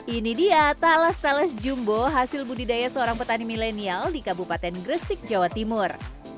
ini dia talas talas jumbo hasil budidaya seorang petani milenial di kabupaten gresik jawa timur